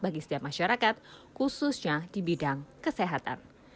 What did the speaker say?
bagi setiap masyarakat khususnya di bidang kesehatan